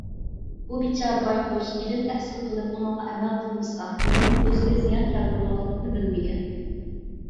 بۇ بىچارە بايقۇش ئىلىم تەھسىل قىلىپ ئۇنىڭغا ئەمەل قىلمىسا ئىلىمنىڭ ئۆزىگە زىيان كەلتۈرىدىغانلىقىنى بىلمىگەن.